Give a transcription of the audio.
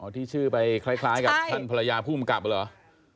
ที่ชื่อไปคล้ายกับท่านภรรยาภูมิกับเหรอ